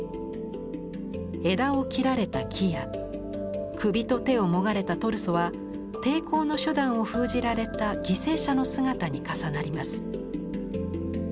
枝を切られた木や首と手をもがれたトルソは抵抗の手段を封じられた「犠牲者」の姿に重なります。